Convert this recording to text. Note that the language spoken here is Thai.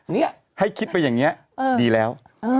นี่ให้คิดไปอย่างนี้ดีแล้ว